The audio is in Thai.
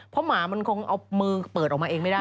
เพราะหมามันคงเอามือเปิดออกมาเองไม่ได้